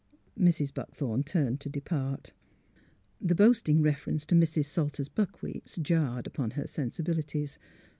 Mrs. Buckthorn turned to depart. The boasting reference to Mrs. Salter's buckwheats jarred upon her sensibilities.